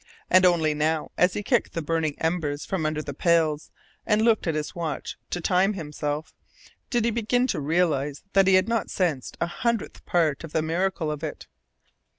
And only now, as he kicked the burning embers from under the pails, and looked at his watch to time himself, did he begin to realize that he had not sensed a hundredth part of the miracle of it.